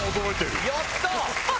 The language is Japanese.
やった！